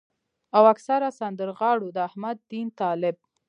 او اکثره سندرغاړو د احمد دين طالب